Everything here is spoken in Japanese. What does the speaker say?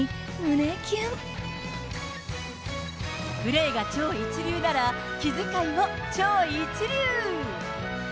プレーが超一流なら、気づかいも超一流。